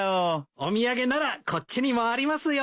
お土産ならこっちにもありますよ。